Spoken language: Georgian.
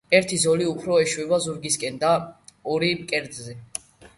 ერთი ზოლი, უფრო ფართო, ეშვება ზურგისკენ და ორი მკერდზე.